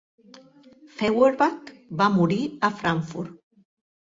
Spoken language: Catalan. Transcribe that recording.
Feuerbach va morir a Frankfurt.